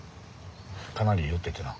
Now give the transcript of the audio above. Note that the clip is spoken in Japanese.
かなり酔っててな。